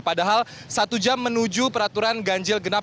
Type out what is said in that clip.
padahal satu jam menuju peraturan ganjil genap